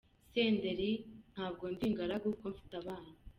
Senderi: Ntabwo ndi ingaragu kuko mfite abana.